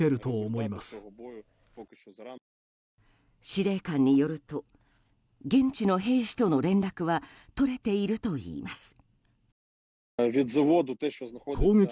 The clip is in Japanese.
司令官によると現地の兵士との連絡は取れているといいます。